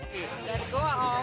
dari gua om